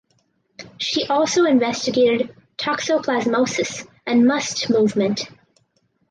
She also investigated toxoplasmosis and muste movement.